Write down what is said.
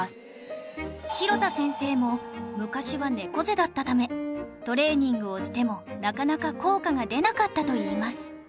廣田先生も昔は猫背だったためトレーニングをしてもなかなか効果が出なかったといいます